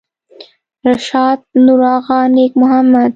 رشاد نورآغا نیک محمد